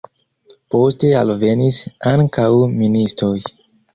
Poste alvenis ankaŭ ministoj.